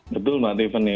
betul mbak tiffany